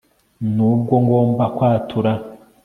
nubwo ngomba kwatura